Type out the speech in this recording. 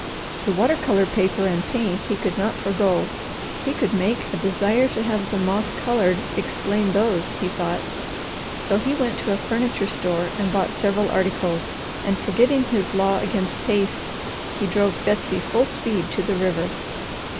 The water colour paper and paint he could not forego. He could make a desire to have the moth coloured explain those, he thought. Then he went to a furniture store and bought several articles, and forgetting his law against haste, he drove Betsy full speed to the river.